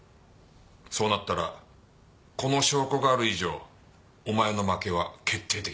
そうなったらこの証拠がある以上お前の負けは決定的だ。